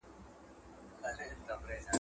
له ازله یو قانون د حکومت دی.